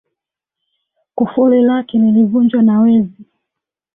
Kufuli lake lilivunjwa na wezi